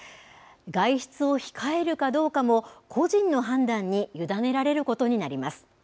外出を控えるかどうかも、個人の判断に委ねられることになります。